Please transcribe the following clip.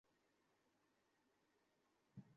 তাকে অতিথির মতো বসিয়ে চা খাওয়াস।